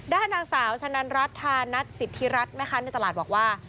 ด้านนางสาวชะนันรัฐธานัทสิทธิรัฐแม่ค้าในตลาดบอกว่า